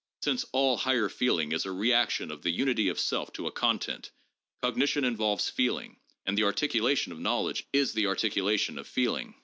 Since all higher feeling is a reaction of the unity of self to a content, cognition involves feeling, and the articulation of knowledge is the articulation of feeling.